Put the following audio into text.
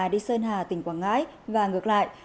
đi sơn hà tỉnh quảng ngãi và ngược lại